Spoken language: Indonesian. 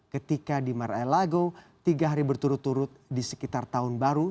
ketika di marai lago tiga hari berturut turut di sekitar tahun baru